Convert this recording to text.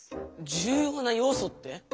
重要な要素って？